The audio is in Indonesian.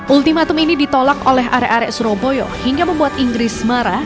ultimatum ini ditolak oleh arek arek surabaya hingga membuat inggris marah